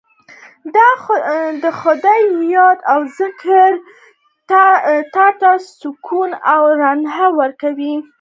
د خدای یاد او ذکر زړونو ته سکون او رڼا ورکوي.